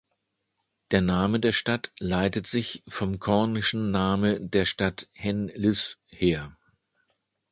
Der Name der Stadt leitet sich vom kornischen Name der Stadt "hen-lys" her.